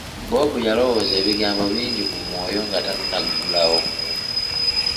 Bob yalowooza ebigambo bingi ku mwoyo nga tannaggulawo.